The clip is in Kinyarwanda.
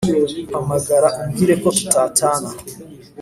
Mpamagara umbwire ko tutatana